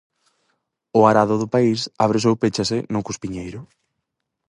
O arado do país ábrese ou péchase no cuspiñeiro.